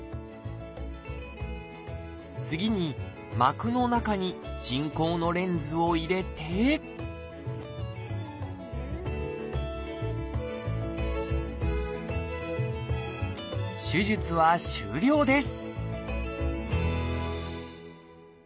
次に膜の中に人工のレンズを入れて手術は終了です